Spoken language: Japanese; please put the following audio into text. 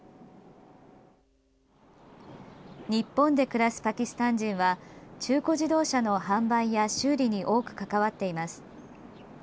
日本で暮らすパキスタン人は中古自動車の販売や修理に多く関わっています。